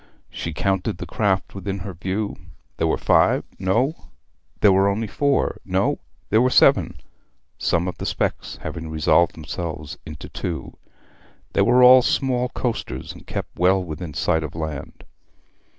She counted the craft within her view: there were five; no, there were only four; no, there were seven, some of the specks having resolved themselves into two. They were all small coasters, and kept well within sight of land.